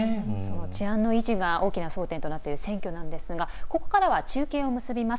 治安の維持が大きな争点となっている選挙なんですがここからは中継を結びます。